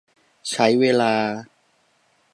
ใช้เวลา